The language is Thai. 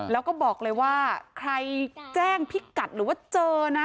แล้วก็บอกเลยว่าใครแจ้งพิกัดหรือว่าเจอนะ